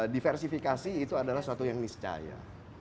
diversifikasi itu adalah suatu yang niscaya